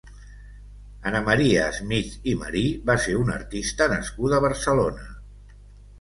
Ana Maria Smith i Marí va ser una artista nascuda a Barcelona.